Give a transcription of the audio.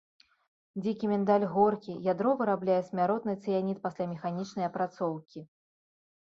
Дзікі міндаль горкі, ядро вырабляе смяротны цыянід пасля механічнай апрацоўкі.